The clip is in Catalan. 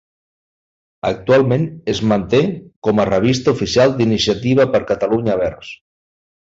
Actualment es manté com a revista oficial d’Iniciativa per Catalunya Verds.